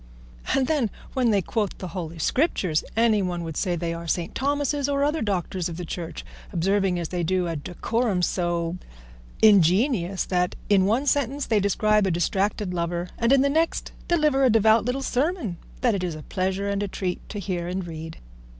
And then, when they quote the Holy Scriptures! anyone would say they are St. Thomases or other doctors of the Church, observing as they do a decorum so ingenious that in one sentence they describe a distracted lover and in the next deliver a devout little sermon that it is a pleasure and a treat to hear and read.